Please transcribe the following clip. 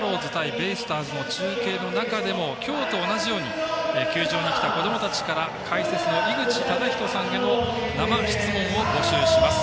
ベイスターズの中継の中でも今日と同じように球場に来たこどもたちから解説の井口資仁さんへの生質問を募集します。